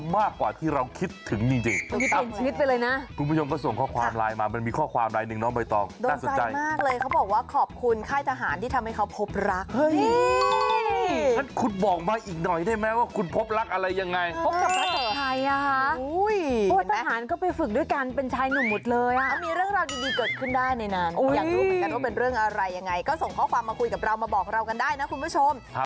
ไม่รู้เหมือนกันว่าเป็นเรื่องอะไรยังไงก็ส่งข้อความมาคุยกับเรามาบอกเรากันได้นะคุณผู้ชม